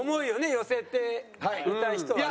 寄せていた人はね。